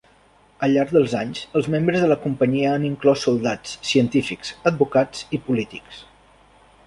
Al llarg dels anys, els membres de la companyia han inclòs soldats, científics, advocats i polítics.